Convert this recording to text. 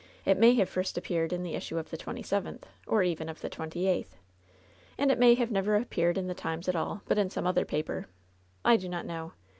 It may have first appeared in the issue of the twenty seventh, or even of the twenty eighth, and it may have never appeared in the Times at all, but in some other paper. I do not know.